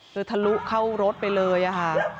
คือทะลุเข้ารถไปเลยค่ะ